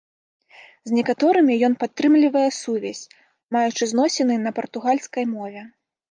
З некаторымі ён падтрымлівае сувязь, маючы зносіны на партугальскай мове.